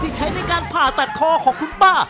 ใช้ในการผ่าตัดคอของคุณป้า